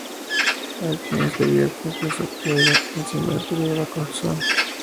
Hay quienes le vierten queso criollo encima previo a la cocción.